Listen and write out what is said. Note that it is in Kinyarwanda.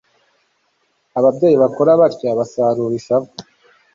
Ababyeyi bakora batya basarura ishavu